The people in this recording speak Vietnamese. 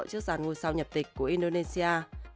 trước giàn ngôi sao nhập tịch của indonesia